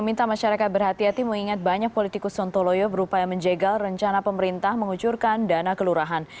meminta masyarakat berhati hati mengingat banyak politikus sontoloyo berupaya menjegal rencana pemerintah mengucurkan dana kelurahan